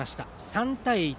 ３対１。